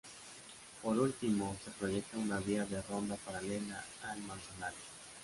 Por último, se proyecta una vía de ronda paralela al Manzanares.